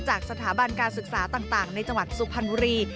จากสถาบันการศึกษาต่างในจังหวัดสุพรรณบุรี